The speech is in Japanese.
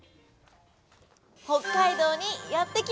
北海道にやって来ました。